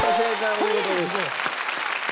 お見事です。